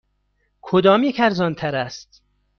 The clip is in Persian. کدامیک ارزان تر است؟